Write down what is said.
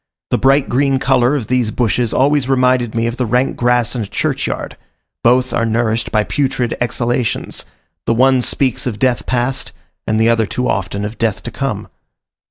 The bright green colour of these bushes always reminded me of the rank grass in a church yard: both are nourished by putrid exhalations; the one speaks of death past, and the other too often of death to come.